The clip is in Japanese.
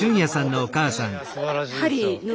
すばらしいよね